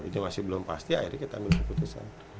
ini masih belum pasti akhirnya kita ambil keputusan